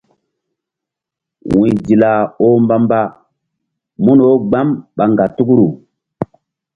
Wu̧y Dila oh mbamba mun wo gbam ɓa ŋgatukru.